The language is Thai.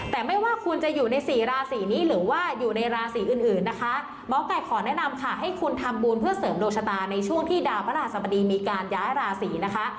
แต่ไม่ว่าคุณจะอยู่ในสี่ราศีนี้หรือว่าอยู่ในราศีอื่นอื่นนะคะหมอไก่ขอแนะนำค่ะให้คุณทำบุญเพื่อเสริมดวงชะตาในช่วงที่ดาวพระราชสมดีมีการย้ายราศีนะคะ